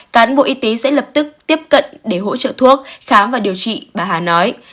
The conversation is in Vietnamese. cán bộ y tế sẽ lập tức tiếp cận để hỗ trợ thuốc khám và điều trị bà hà nói